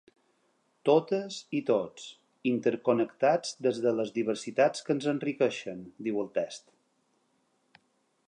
Totes i tots, interconnectats des de les diversitats que ens enriqueixen, diu el text.